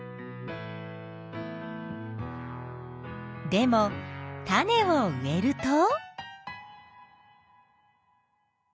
でも種を植えると。